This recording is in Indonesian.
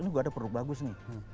ini juga ada produk bagus nih